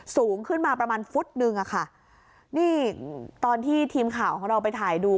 สูงขึ้นมาประมาณฟุตนึงอะค่ะนี่ตอนที่ทีมข่าวของเราไปถ่ายดู